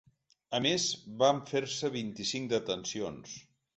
A més, van fer-se vint-i-cinc detencions.